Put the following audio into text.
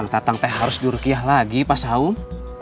datang tuh harus diurkih lagi pak saun